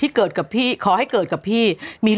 เกิดกับพี่ขอให้เกิดกับพี่